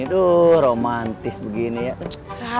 aduh romantis begini ya